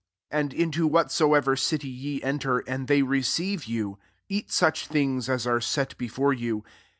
8 And into whatsoever dfy ye enter, and they receive yecn^ eat such things aa are set %e» fore you.